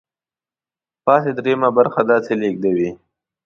پاتې درېیمه برخه داسې لیږدوي.